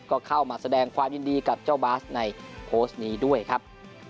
ก็เข้ามาแสดงความยินดีกับเจ้าบาสในโพสต์นี้ด้วยครับ